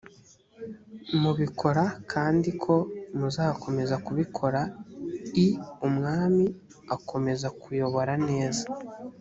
mubikora kandi ko muzakomeza kubikora i umwami akomeze kuyobora neza